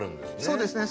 そうですね。